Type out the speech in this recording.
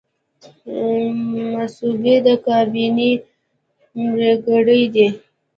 مصوبې د کابینې پریکړې دي